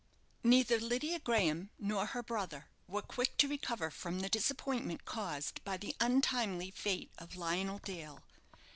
Neither Lydia Graham nor her brother were quick to recover from the disappointment caused by the untimely fate of Lionel Dale.